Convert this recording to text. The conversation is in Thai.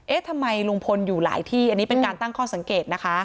ทำไมลุงพลอยู่หลายที่อันนี้เป็นการตั้งข้อสังเกตนะคะ